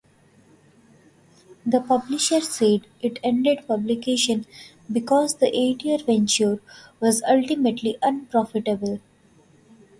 The publisher said it ended publication because the eight-year venture was ultimately unprofitable.